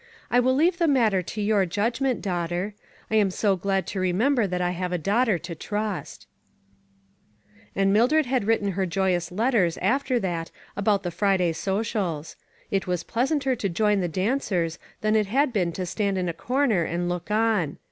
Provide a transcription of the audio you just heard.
I will leave the matter to your judgment, daughter. I am so glad to re member that I have a daughter to trust." 392 ONE COMMONPLACE DAY. And Mildred had written her joyous let ters after that about the Friday socials. It was pleasanter to join the dancers than it had been to stand in a corner and look on.